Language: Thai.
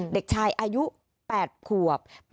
เด็กชายอายุ๘ขวบ